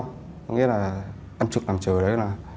có nghĩa là ăn trực làm trời